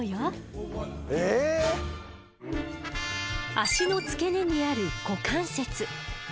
脚の付け根にある股関節。